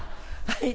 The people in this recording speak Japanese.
はい。